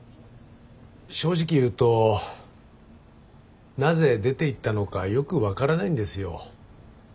正直言うとなぜ出ていったのかよく分からないんですよ。